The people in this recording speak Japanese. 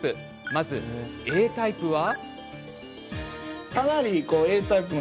まず、Ａタイプは。